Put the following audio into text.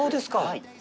はい。